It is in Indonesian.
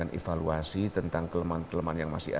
kita sudah memilih